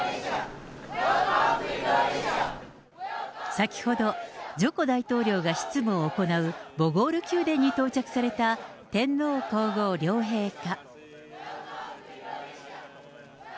先ほど、ジョコ大統領が執務を行うボゴール宮殿に到着された天皇皇后両陛下。